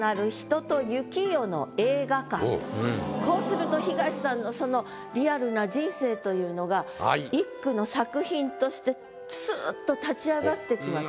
こうすると東さんのそのリアルな人生というのが一句の作品としてツゥっと立ち上がってきます。